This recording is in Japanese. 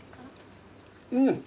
うん。